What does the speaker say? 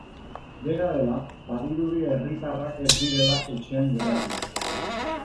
Dena dela, badirudi herritarrak ez direla etxean geratu.